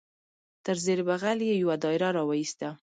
تر زیر بغل یې یو دایره را وایسته.